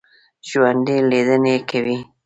ژوندي لیدنې کوي